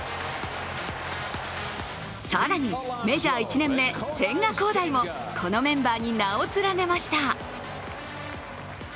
更にメジャー１年目、千賀滉大もこのメンバーに名を連ねました。